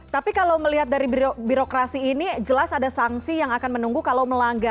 tapi kalau melihat dari birokrasi ini jelas ada sesuatu yang harus kita lakukan